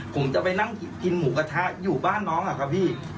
ผมจะไปนั่งกินหมูกระทะอยู่บ้านน้องอะครับพี่